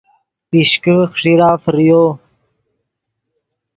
پیشکے خیݰیرہ فریو